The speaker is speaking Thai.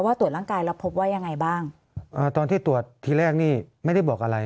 ตรวจร่างกายแล้วพบว่ายังไงบ้างอ่าตอนที่ตรวจทีแรกนี่ไม่ได้บอกอะไร